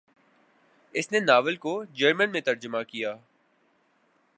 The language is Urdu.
اس نے ناول کو جرمن میں ترجمہ کیا۔